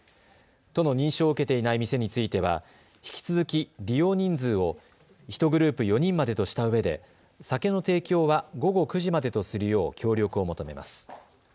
都の認証を受けていない店については引き続き利用人数を１グループ４人までとしたうえで酒の提供は午後９時までとするよう協力を求めます。